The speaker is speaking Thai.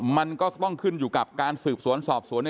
มันก็ต้องขึ้นอยู่กับการสืบสวนสอบสวน